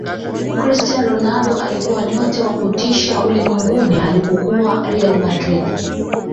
cristiano ronaldo alikuwa nyota wa kutisha ulimwenguni alipokuwa real madrid